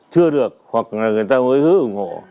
chưa được hoặc là người ta mới hứa ủng hộ